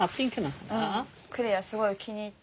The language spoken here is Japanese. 來愛すごい気に入って。